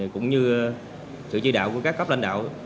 cũng như sự chỉ đạo của các cấp lãnh đạo